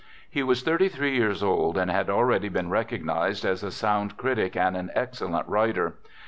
He was thirty three years old, and had already been recognized as a sound critic and an excellent writer.